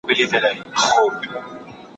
د نا بالغ خاوند طلاق ولي نه واقع کيږي؟